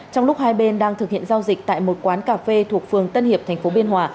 trong lúc hai bên đang thực hiện giao dịch tại một quán cà phê thuộc phường tân hiệp thành phố biên hòa